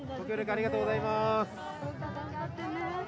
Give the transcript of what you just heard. ありがとうございます。